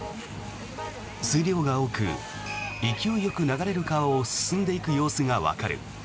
水量が多く、勢いよく流れる川を進んでいく様子がわかる。